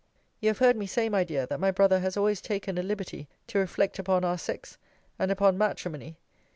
You have heard me say, my dear, that my brother has always taken a liberty to reflect upon our sex, and upon matrimony!